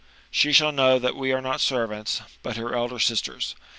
She shall know that we ar^ not servants, but her elder sisters.